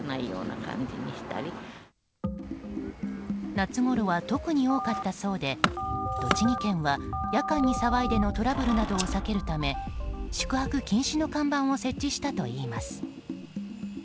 夏ごろは特に多かったそうで栃木県は夜間に騒いでのトラブルなどを避けるため宿泊禁止の看板を設置したといいます。